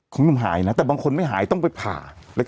คุณผู้ชมหายนะแต่บางคนไม่หายต้องไปผ่า